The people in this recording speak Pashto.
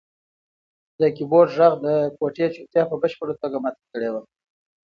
د کیبورډ غږ د کوټې چوپتیا په بشپړه توګه ماته کړې وه.